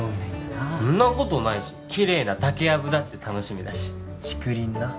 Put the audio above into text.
なんなことないしキレイな竹やぶだって楽しみだし竹林な